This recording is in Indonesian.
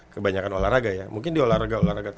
kebanyakan olahraga ya mungkin di olahraga olahraga